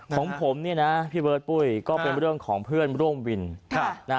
ของผมเนี่ยนะพี่เบิร์ดปุ้ยก็เป็นเรื่องของเพื่อนร่วมวิน